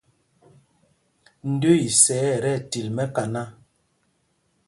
Ndəə isɛɛ ɛ tí ɛtil mɛkaná.